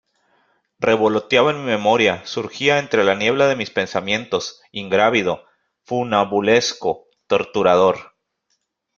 revoloteaba en mi memoria, surgía entre la niebla de mis pensamientos , ingrávido , funambulesco , torturador.